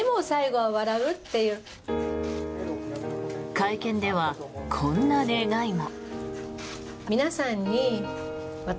会見では、こんな願いも。